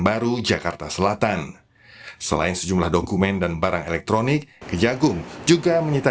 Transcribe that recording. baru jakarta selatan selain sejumlah dokumen dan barang elektronik kejagung juga menyita